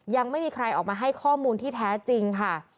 ยังไม่มีใครออกมาให้ข้อมูลที่แท้จริงค่ะ